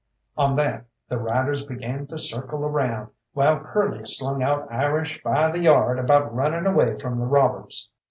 On that the riders began to circle around, while Curly slung out Irish by the yard about running away from the robbers.